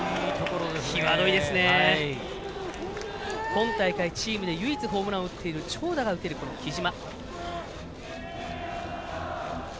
今大会、チームで唯一ホームランを打っている長打が打てる、木嶋。